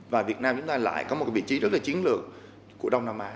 và việt nam chúng ta lại có một vị trí rất là chiến lược của đông nam á